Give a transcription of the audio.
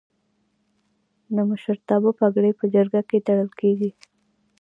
د مشرتابه پګړۍ په جرګه کې تړل کیږي.